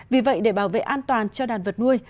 vì vậy để bảo vệ an toàn cho đàn vật nuôi